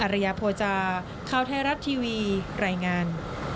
อริยโภจารย์ข้าวไทยรัฐทีวีรายงาน